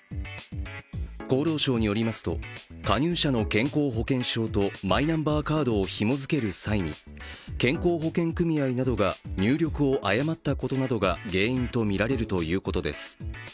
厚労省によりますと、加入者の健康保険証とマイナンバーカードを紐付ける際に健康保険組合などが入力を誤ったことなどが原因とみられるということです。